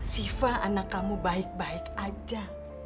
siva anak kamu baik baik aja